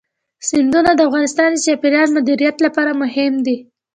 سیندونه د افغانستان د چاپیریال د مدیریت لپاره مهم دي.